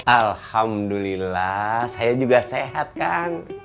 alhamdulillah saya juga sehat kang